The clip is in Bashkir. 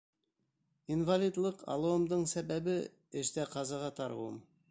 Инвалидлыҡ алыуымдың сәбәбе — эштә ҡазаға тарыуым.